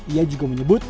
ia juga menyebut